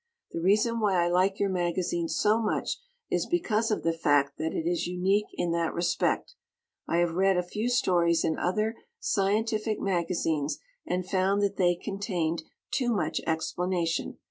The reason why I like your magazine so much is because of the fact that it is unique in that respect. I have read a few stories in other scientific magazines and found that they contained too much explanation.